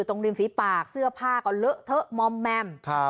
ตรงริมฟีฟากเสื้อผ้ากันเลอะเทอะม่อเมมค่ะ